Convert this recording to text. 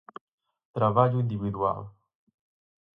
Traballo invididual.